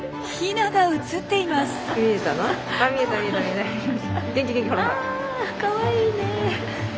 あかわいいね！